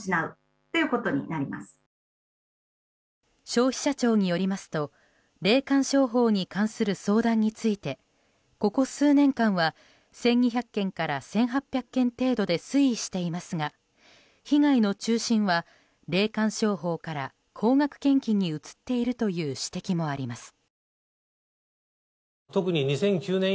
消費者庁によりますと霊感商法に関する相談についてここ数年間は１２００件から１８００件程度で推移していますが被害の中心は霊感商法から高額献金に移っているという指摘もあります。